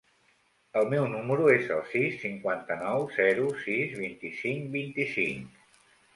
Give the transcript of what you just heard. El meu número es el sis, cinquanta-nou, zero, sis, vint-i-cinc, vint-i-cinc.